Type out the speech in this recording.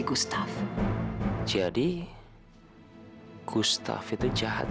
udah aku pecat